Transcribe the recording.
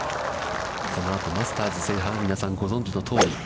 このあとマスターズ制覇は皆さんご存じのとおり。